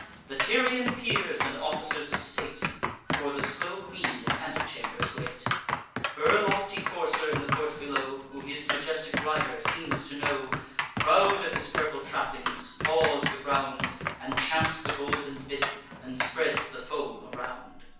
The Tyrian peers and officers of state For the slow queen in antechambers wait; Her lofty courser, in the court below, Who his majestic rider seems to know, Proud of his purple trappings, paws the ground, And champs the golden bit, and spreads the foam around.